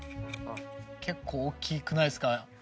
結構大きくないですか。